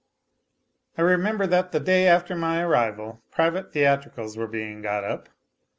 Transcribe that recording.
I remember that the day after my arrival private theatricals were being got up.